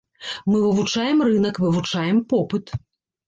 Мы вывучаем рынак, вывучаем попыт.